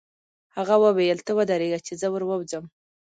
هغه وویل: ته ودرېږه چې زه ور ووځم.